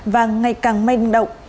và ngày càng manh động